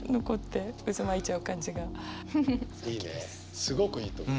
すごくいいと思う。